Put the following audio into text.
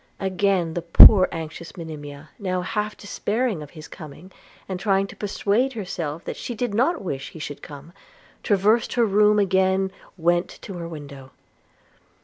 Again the poor anxious Monimia, now half despairing of his coming, and trying to persuade herself that she did not wish he should come, traversed her room, again went to her window.